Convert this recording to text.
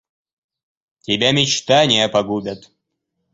Тебя мечтания погубят.